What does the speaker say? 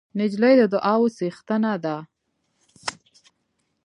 نجلۍ د دعاوو څښتنه ده.